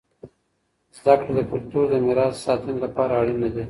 زده کړه د کلتور د میراث د ساتنې لپاره اړینه دی.